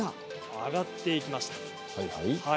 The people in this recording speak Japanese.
上がっていきました。